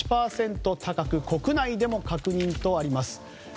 高く国内でも確認とあります。